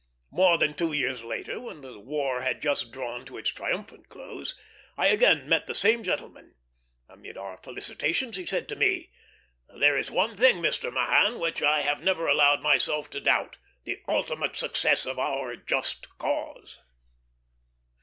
More than two years later, when the war had just drawn to its triumphant close, I again met the same gentleman. Amid our felicitations, he said to me, "There is one thing, Mr. Mahan, which I have never allowed myself to doubt the ultimate success of our just cause."